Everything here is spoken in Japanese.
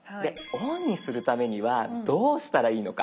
オンにするためにはどうしたらいいのか？